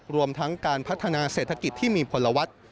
รวมทั้งการพัฒนาเศรษฐกิจที่มีผลวัตร